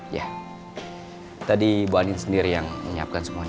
iya tadi mbak andien sendiri yang menyiapkan semuanya pak